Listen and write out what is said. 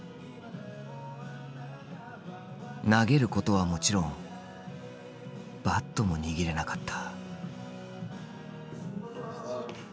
投げることはもちろんバットも握れなかった。